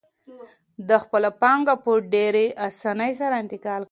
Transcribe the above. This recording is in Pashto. ده خپله پانګه په ډېرې اسانۍ سره انتقال کړه.